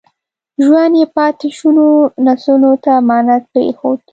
ژوند یې پاتې شونو نسلونو ته امانت پرېښود.